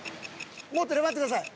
［もっと粘ってください］